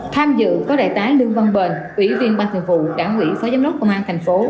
tham dự có đại tá lương văn bền ủy viên ban thường vụ đảng ủy phó giám đốc công an thành phố